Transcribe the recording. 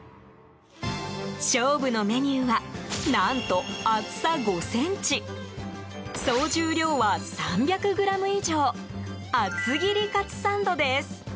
勝負のメニューは何と、厚さ５ｃｍ総重量は３００ｇ以上厚切りカツサンドです。